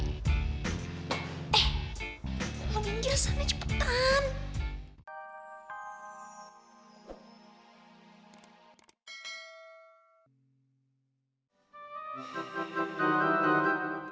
ngomongin jelasannya cepetan